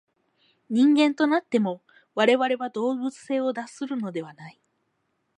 人間となっても、我々は動物性を脱するのではない。